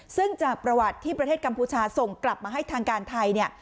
ซึ่งจากประวัติที่ประเทศกัมพูชาส่งกลับมาให้ทางการไทยเนี่ย